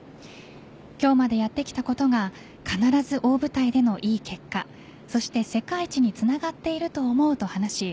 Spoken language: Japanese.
今日までやってきたことが必ず大舞台での良い結果そして世界一につながっていると思うと話し